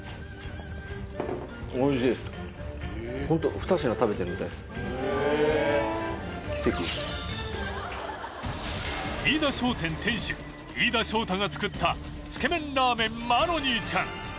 ホント飯田商店店主飯田将太が作ったつけ麺ラーメンマロニーちゃん